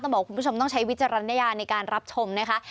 บอกคุณผู้ชมต้องใช้วิจารณญาณในการรับชมนะคะ